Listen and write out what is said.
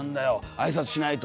挨拶しないと」